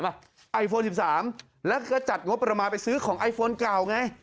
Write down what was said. ไอโฟน๑๓แล้วก็จัดงบประมาณไปซื้อของไอโฟนเก่าไง